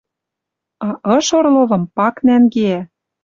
А ыш Орловым пак нӓнгеӓ